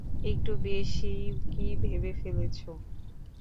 একটু বেশিই কি ভেবে ফেলেছ?